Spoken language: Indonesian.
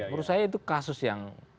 menurut saya itu kasus yang